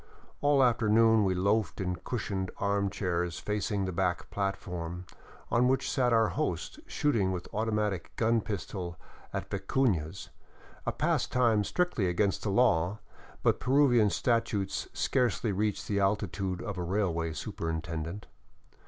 All the afternoon we loafed in cushioned armchairs facing the back platform, on which sat our host shooting with auto matic gun pistol at vicunas, a pastime strictly against the law, but Peruvian statutes scarcely reach the altitude of a railway superintend ent.